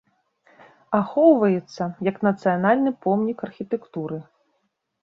Ахоўваецца як нацыянальны помнік архітэктуры.